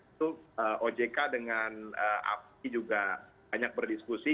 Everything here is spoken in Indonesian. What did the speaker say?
itu ojk dengan afi juga banyak berdiskusi